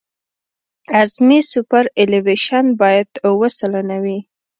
اعظمي سوپرایلیویشن باید اوه سلنه وي